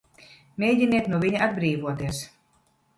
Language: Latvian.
Mēģiniet no viņa atbrīvoties!